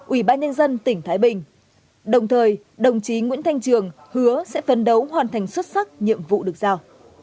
ủy ban nhân dân tỉnh thái bình đồng thời đồng chí nguyễn thanh trường hứa sẽ phấn đấu hoàn thành xuất sắc nhiệm vụ được giao